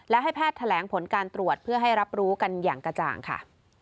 และให้แพทย์แถลงผลการตรวจเพื่อให้รับรู้กันอย่างกระจ่างค่ะ